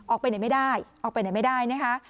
ออกไปไหนไม่ได้ออกไปไหนไม่ได้นะคะ